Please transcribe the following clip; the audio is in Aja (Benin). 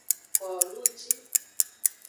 Koluji.